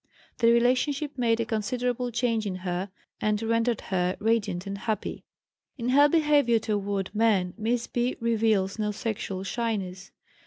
The relationship made a considerable change in her, and rendered her radiant and happy. In her behavior toward men Miss B. reveals no sexual shyness.